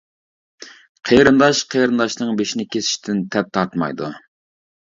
قېرىنداش قېرىنداشنىڭ بېشىنى كېسىشتىن تەپ تارتمايدۇ.